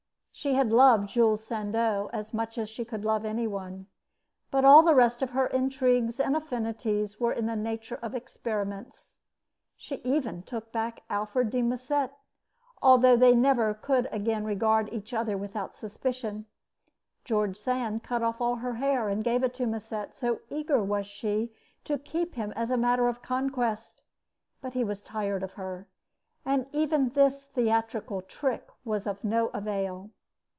She had loved Jules Sandeau as much as she could love any one, but all the rest of her intrigues and affinities were in the nature of experiments. She even took back Alfred de Musset, although they could never again regard each other without suspicion. George Sand cut off all her hair and gave it to Musset, so eager was she to keep him as a matter of conquest; but he was tired of her, and even this theatrical trick was of no avail.